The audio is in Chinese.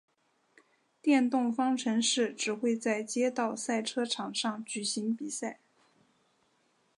电动方程式只会在街道赛车场上举行比赛。